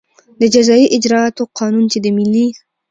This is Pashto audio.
د جزایي اجراآتو قانون چې د ملي